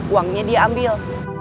uangnya dia ambil